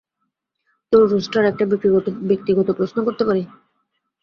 তো, রুস্টার, একটা ব্যক্তিগত প্রশ্ন করতে পারি?